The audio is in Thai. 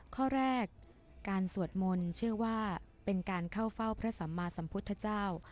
ข้อแรกการสวดมนต์เชื่อว่าเป็นการเข้าเฝ้าพระสัมมาสัมพุทธเจ้า